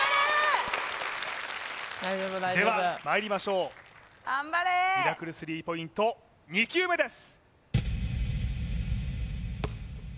大丈夫大丈夫ではまいりましょうミラクル３ポイント２球目です